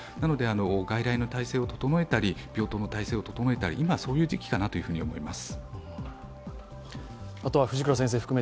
外来の体制を整えたり病棟の体制を整えたり今、そういう時期かなと思います。